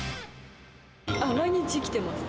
毎日来てます。